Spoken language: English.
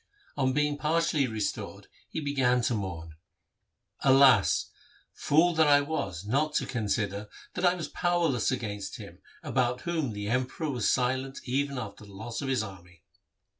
On being partially restored he began to mourn, ' Alas ! fool that I was not to consider that I was powerless against him about whom the Emperor was silent even after the loss of his army.